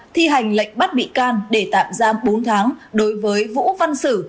thi hành lệnh bắt bị can để tạm giam bốn tháng đối với vũ văn sử